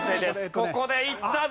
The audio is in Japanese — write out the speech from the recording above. ここでいったぞ。